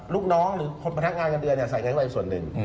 ลูกน้องหรือคนพนักงานเงินเดือนใส่เงินเข้าไปส่วนหนึ่ง